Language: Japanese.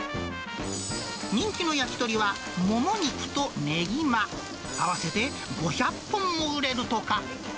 人気の焼き鳥は、モモ肉とネギマ、合わせて５００本も売れるとか。